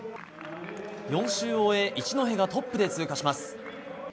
４周目を終え一戸がトップで通過します。